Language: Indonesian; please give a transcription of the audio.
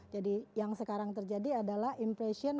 jadi yang sekarang terjadi adalah impression dari mas indra